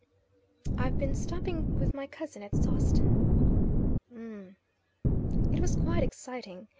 "I've been stopping with my cousin at Sawston." "M'm." "It was quite exciting.